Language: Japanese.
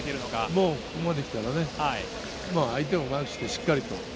もう、ここまで来たらね、まあ相手をマークして、しっかりと。